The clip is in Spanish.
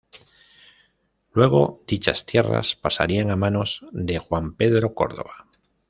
Luego dichas tierras pasarían a manos de Juan Pedro Córdova.